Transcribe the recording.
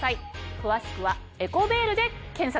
詳しくは「エコベール」で検索。